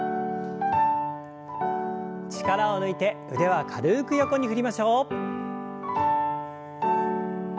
力を抜いて腕は軽く横に振りましょう。